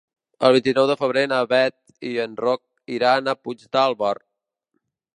El vint-i-nou de febrer na Beth i en Roc iran a Puigdàlber.